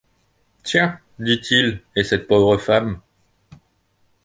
Tiens ! dit-il, et cette pauvre femme !